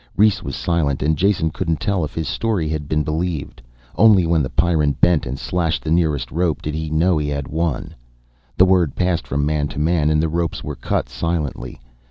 Rhes was silent and Jason couldn't tell if his story had been believed. Only when the Pyrran bent and slashed the nearest rope did he know he had won. The word passed from man to man and the ropes were cut silently.